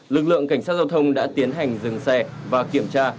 lực lượng cảnh sát giao thông đã tiến hành dừng xe và kiểm tra